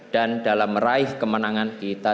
dan dalam meraih kemenangan kita